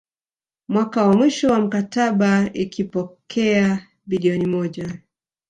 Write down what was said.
Mwaka wa mwisho wa mkataba ikipokea bilioni moja